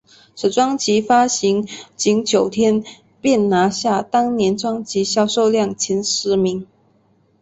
此专辑发行仅九天便拿下当年专辑销售量前十名。